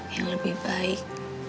yang lebih baik